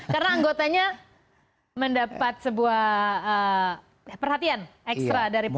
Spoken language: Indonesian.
karena anggotanya mendapat sebuah perhatian ekstra dari publik